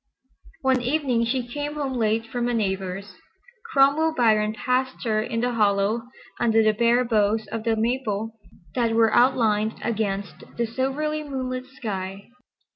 One evening she came home late from a neighbor's. Cromwell Biron passed her in the hollow under the bare boughs of the maple that were outlined against the silvery moonlit sky.